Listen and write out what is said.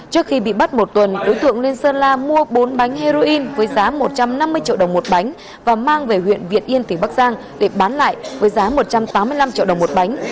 trước khi bị bắt một tuần đối tượng lên sơn la mua bốn bánh heroin với giá một trăm năm mươi triệu đồng một bánh và mang về huyện việt yên tỉnh bắc giang để bán lại với giá một trăm tám mươi năm triệu đồng một bánh